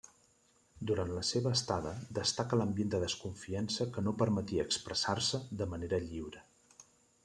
Durant la seva estada, destaca l'ambient de desconfiança que no permetia expressar-se de manera lliure.